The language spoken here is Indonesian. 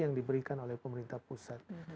yang diberikan oleh pemerintah pusat